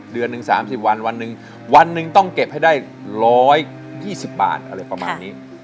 เดือนหนึ่ง๓๐วันวันหนึ่งวันหนึ่งต้องเก็บให้ได้๑๒๐บาทอะไรประมาณนี้